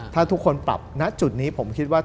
ถ้าทุกคนปรับณจุดนี้ผมคิดว่า